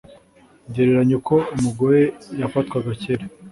Gereranya uko umugore yafatwaga kera